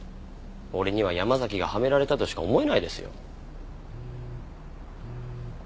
俺には山崎がはめられたとしか思えないですよ。